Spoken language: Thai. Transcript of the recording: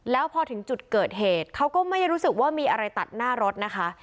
แล้วพอถึงจุดเกิดเหตุเขาก็ไม่ได้รู้สึกว่ามีอะไรตัดหน้ารถนะคะ